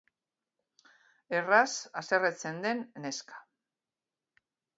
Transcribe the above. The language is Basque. Erraz haserretzen den neska.